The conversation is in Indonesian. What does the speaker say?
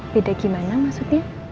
beda gimana maksudnya